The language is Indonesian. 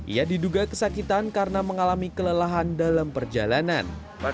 ia diduga kesakitan karena mengalami kelelahan dalam perjalanan